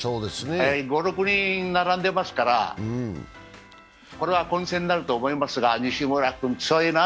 ５６人並んでますから、これは混戦になると思いますが、西村君、強いな。